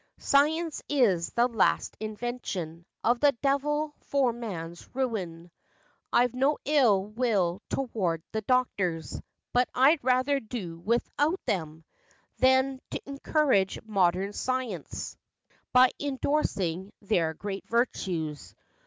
Science is the last invention Of the devil for man's ruin. I've no ill will toward the doctors; But I'd rather do without them, Than t' encourage modern science By indorsing their great virtues."